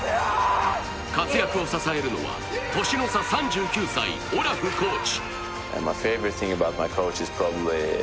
活躍を支えるのは、年の差３９歳、オラフコーチ。